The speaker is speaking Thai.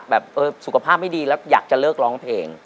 สุขภาพไม่ดีแล้วอยากจะเลิกร้องเพลง